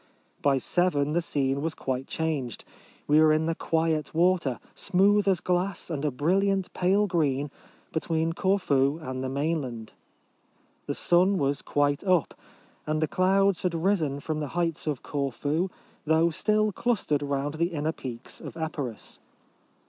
By seven the scene was quite changed. We were in the quiet water — smooth as glass, and a brilliant pale green — between Corfu and the mainland. The sun. was quite up, and the clouds had risen from the heights of Corfu, though still clustered round the inner peaks of Epirus.